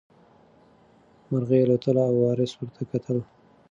مرغۍ الوتله او وارث ورته کتل.